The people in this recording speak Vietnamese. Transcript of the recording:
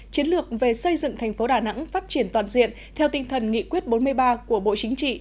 chiến lược về xây dựng thành phố đà nẵng phát triển toàn diện theo tinh thần nghị quyết bốn mươi ba của bộ chính trị